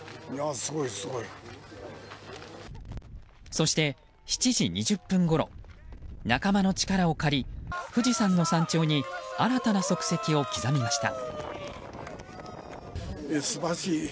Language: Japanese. そして７時２０分ごろ仲間の力を借り富士山の山頂に新たな足跡を刻みました。